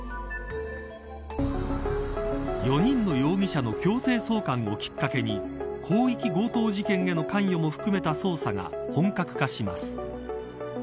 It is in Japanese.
４人の容疑者の強制送還をきっかけに広域強盗事件への関与も含めた捜査が本格化します。